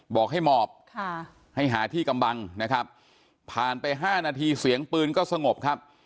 บอกให้หมอบให้หาที่กำบังนะครับผ่านไป๕นาทีเสียงปืนก็สงบครับ